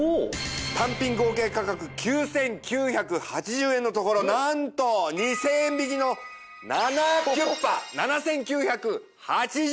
単品合計価格９９８０円のところなんと２０００円引きの７９８０。